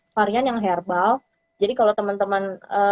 varian yang herbal jadi kalau temen temen